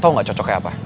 tau gak cocok kayak apa